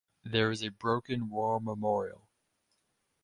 There is a "broken" war memorial.